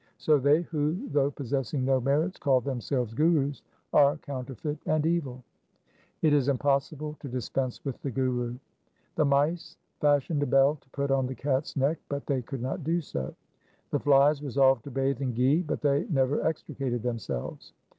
So they who, though possessing no merits, call themselves gurus, are counterfeit and evil. 1 It is impossible to dispense with the Guru :— The mice fashioned a bell to put on the cat's neck, but they could not do so. The flies resolved to bathe in ghi, but they never extricated themselves.